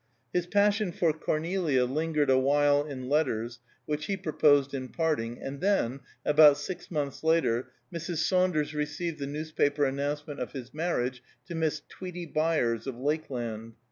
His passion for Cornelia lingered a while in letters, which he proposed in parting, and then, about six months later, Mrs. Saunders received the newspaper announcement of his marriage to Miss Tweety Byers of Lakeland.